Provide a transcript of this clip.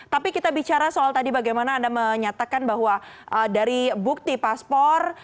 tapi kita bicara soal tadi bagaimana anda menyatakan bahwa dari bukti paspor